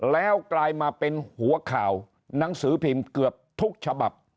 แล้วกลายมาเป็นหัวข่าวหนังสือพิมพ์เกือบทุกฉบับ